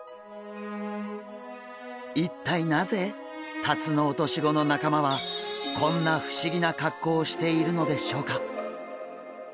一体なぜタツノオトシゴの仲間はこんな不思議な格好をしているのでしょうか？